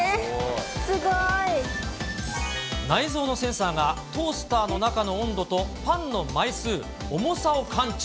すごい。内蔵のセンサーが、トースターの中の温度とパンの枚数、重さを感知。